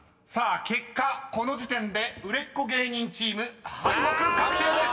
［結果この時点で売れっ子芸人チーム敗北確定です！］